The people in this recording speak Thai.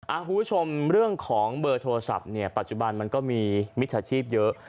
คุณผู้ชมเรื่องของเบอร์โทรศัพท์เนี่ยปัจจุบันมันก็มีมิจฉาชีพเยอะ